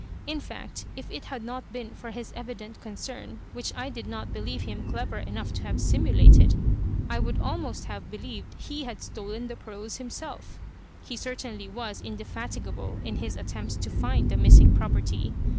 In fact, if it had not been for his evident concern, which I did not believe him clever enough to have simulated, I would almost have believed he had stolen the pearls himself. He certainly was indefatigable in his attempts to find the missing property.